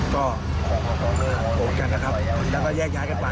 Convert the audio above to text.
ก็โหดกันแล้วก็แยกงดไป